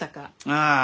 ああ。